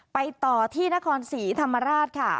ไปต่อที่นครศรีธรรมราชค่ะ